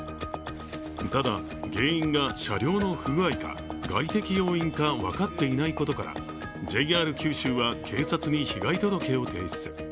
ただ原因が車両の不具合か外的要因か分かっていないことからＪＲ九州は警察に被害届を提出。